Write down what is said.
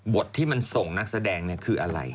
บทที่มันส่งนักแสดงเนี่ยคืออะไร